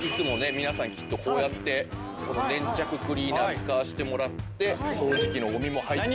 皆さんきっとこうやってこの粘着クリーナー使わせてもらって掃除機のゴミも入っておりませんので。